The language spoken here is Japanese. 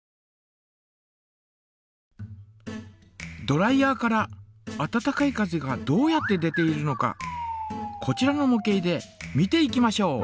ドライヤーから温かい風がどうやって出ているのかこちらのも型で見ていきましょう。